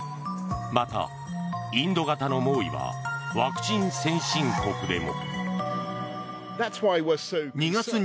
また、インド型の猛威はワクチン先進国でも。